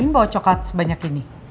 kamu mau bawa coklat sebanyak ini